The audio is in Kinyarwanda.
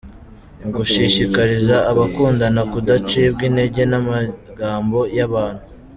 mu gushishikariza abakundana kudacibwa intege n’amagambo y’abantu